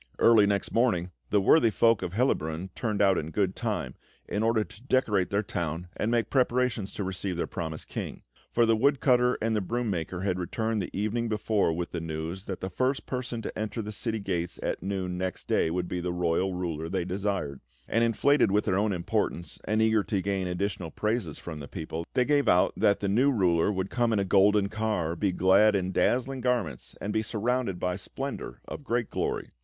Early next morning the worthy folk of Hellabrunn turned out in good time, in order to decorate their town and make preparations to receive their promised King; for the woodcutter and the broom maker had returned the evening before with the news that the first person to enter the city gates at noon next day would be the royal ruler they desired and, inflated with their own importance and eager to gain additional praises from the people, they gave out that the new ruler would come in a golden car, be clad in dazzling garments, and be surrounded by a splendour of great glory.